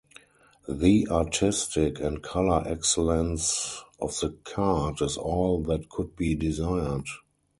The artistic and color excellence of the card is all that could be desired.